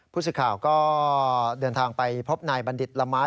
ผู้สื่อข่าวก็เดินทางไปพบนายบัณฑิตละไม้